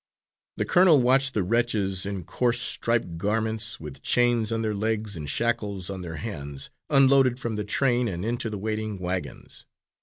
The colonel watched the wretches, in coarse striped garments, with chains on their legs and shackles on their hands, unloaded from the train and into the waiting wagons.